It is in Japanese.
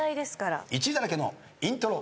１位だらけのイントロ。